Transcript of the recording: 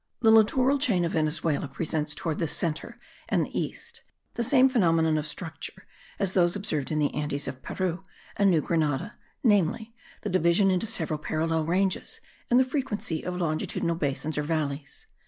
The littoral chain of Venezuela presents towards the centre and the east the same phenomena of structure as those observed in the Andes of Peru and New Grenada; namely, the division into several parallel ranges and the frequency of longitudinal basins or valleys.